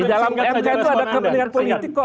di dalamnya itu ada kebenaran politik kok